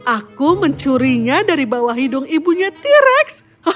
aku mencurinya dari bawah hidung ibunya t rex